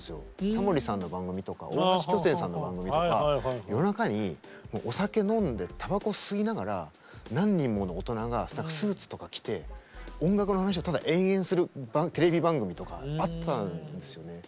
タモリさんの番組とか大橋巨泉さんの番組とか夜中にお酒飲んでタバコ吸いながら何人もの大人がスーツとか着て音楽の話をただ延々するテレビ番組とかあったんですよね。